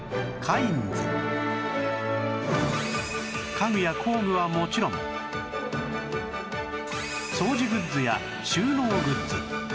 家具や工具はもちろん掃除グッズや収納グッズ